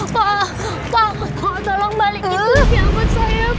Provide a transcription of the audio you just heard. pak pak tolong balik itu dia buat saya kok